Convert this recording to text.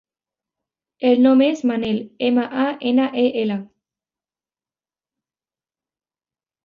El nom és Manel: ema, a, ena, e, ela.